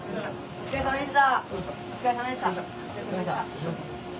お疲れさまでした！